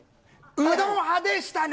うどんでしたね。